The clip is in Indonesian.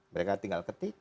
mereka tinggal ketik